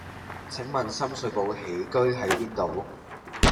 請問深水埗喜居喺邊度？